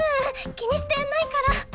気にしてないから。